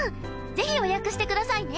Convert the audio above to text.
ぜひ予約してくださいね。